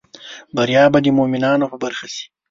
بریا به د مومینانو په برخه شي